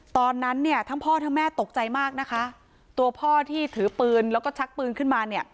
ตอนนั้นเนี่ยทั้งพ่อทั้งแม่ตกใจมากนะคะตัวพ่อที่ถือปืนแล้วก็ชักปืนขึ้นมาเนี่ย